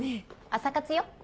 朝活よ